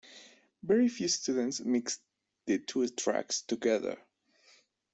Very few students mix the two tracks together.